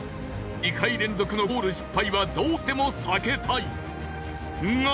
２回連続のゴール失敗はどうしても避けたいが。